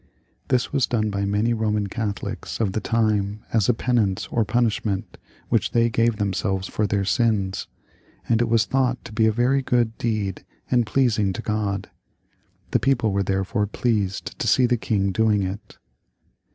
This was done by many Boman Catholics of the time as a penance or punishment which they gave themselves for their sins ; and it was thought to be a very good deed and pleasing to God. The people were therefore pleased to see the king doing it.